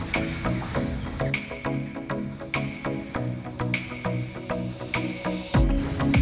bagaimana menjaga kekuatan ikan ini